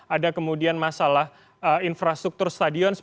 ada kemudian masalah infrastruktur stadion